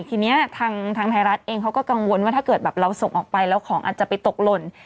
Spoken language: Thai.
ทีนี้ทางไทยรัฐเองเขาก็กังวลว่าถ้าเกิดแบบเราส่งออกไปแล้วของอาจจะไปตกหล่น